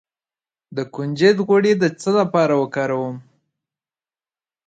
د کنجد غوړي د څه لپاره وکاروم؟